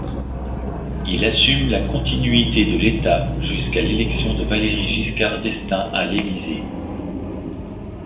Il assume la continuité de l'État jusqu'à l'élection de Valéry Giscard d'Estaing à l'Élysée.